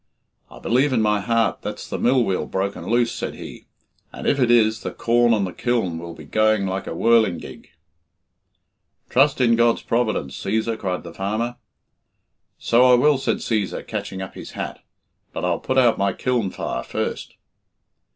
"I believe in my heart that's the mill wheel broken loose," said he, "and if it is, the corn on the kiln will be going like a whirlingig." "Trust in God's providence, Cæsar," cried the farmer. "So I will," said Cæsar, catching up his hat, "but I'll put out my kiln fire first."